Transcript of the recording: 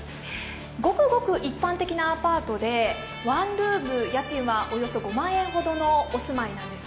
ごくごく一般的なアパートでワンルーム家賃はおよそ５万円ほどのお住まいなんです。